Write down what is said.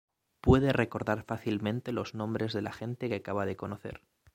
Puede recordar fácilmente los nombres de la gente que acaba de conocer.